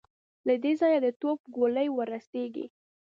له دې ځايه د توپ ګولۍ ور رسېږي.